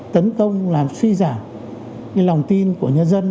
tấn công làm suy giảm lòng tin của nhân dân